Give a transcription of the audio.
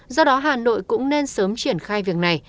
do đó hà nội cũng nên sớm triển khai việc này